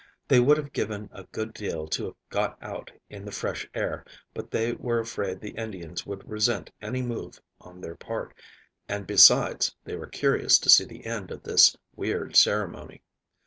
They would have given a good deal to have got out in the fresh air, but they were afraid the Indians would resent any move on their part, and, besides, they were curious to see the end of this weird ceremony.